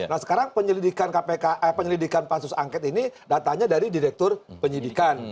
nah sekarang penyelidikan pansus angket ini datanya dari direktur penyidikan